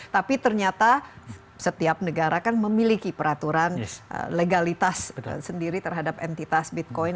tapi ternyata setiap negara kan memiliki peraturan legalitas sendiri terhadap entitas bitcoin